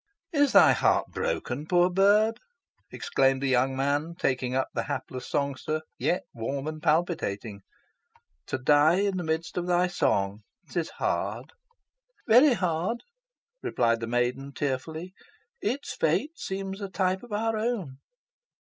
"Is thy heart broken, poor bird?" exclaimed the young man, taking up the hapless songster, yet warm and palpitating. "To die in the midst of thy song 'tis hard." "Very hard!" replied the maiden, tearfully. "Its fate seems a type of our own."